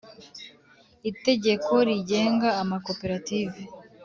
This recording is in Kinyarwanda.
Itegeko rigenga Amakoperative